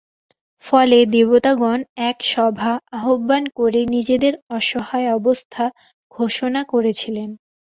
ফলে দেবতাগণ এক সভা আহ্বান করে নিজেদের অসহায় অবস্থা ঘোষণা করেছিলেন।